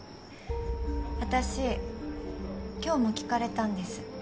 私今日も聞かれたんです。